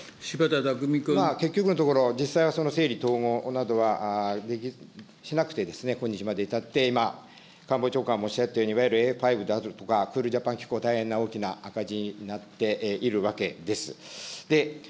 結局のところ、実際はその整理統合などはしなくて、今日まで至って官房長官もおっしゃったように、Ａファイブだとか、クールジャパン機構、大きな赤字になっているわけです。